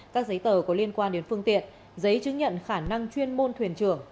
các giấy tờ có liên quan đến phương tiện giấy chứng nhận khả năng chuyên môn thuyền trưởng